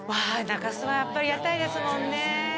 中洲はやっぱり屋台ですもんね